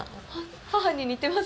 母に似てます？